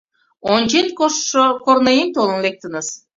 Ончен коштшо корныеҥ толын лектыныс!